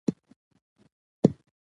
ابن منظور افریقایی رحمه الله وایی،